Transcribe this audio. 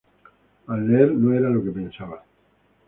Al leer no era lo que pensaban.